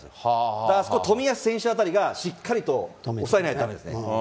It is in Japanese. だから、あそこ冨安選手あたりがしっかりとおさえないとだめですね。